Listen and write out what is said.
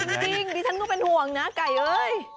จริงดิฉันก็เป็นห่วงนะไก่เอ้ย